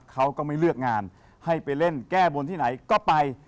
เขาก็ไม่เลือกงานให้ไปเล่นแก้บนที่ไหนก็ไป